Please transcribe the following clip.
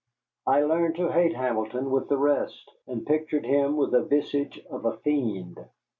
I learned to hate Hamilton with the rest, and pictured him with the visage of a fiend.